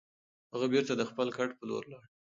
هغه بېرته د خپل کټ په لور لاړ.